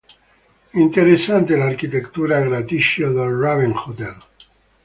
Interessante l'architettura a graticcio del "Raven Hotel".